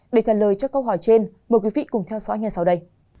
để trả lời cho câu hỏi trên mời quý vị cùng theo dõi ngay sau đây